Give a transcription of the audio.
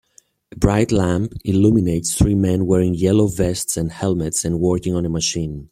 A bright lamp illuminates three men wearing yellow vests and helmets and working on a machine.